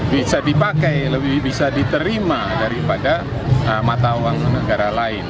bisa dipakai lebih bisa diterima daripada mata uang negara lain